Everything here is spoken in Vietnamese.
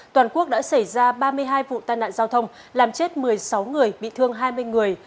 toàn quốc đã xảy ra ba mươi hai vụ tai nạn giao thông làm chết một mươi sáu người bị thương hai mươi người